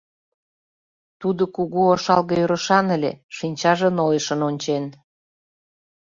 Тудо кугу ошалге ӧрышан ыле, шинчаже нойышын ончен.